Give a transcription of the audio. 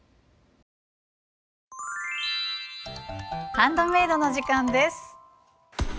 ハンドメイドの時間です！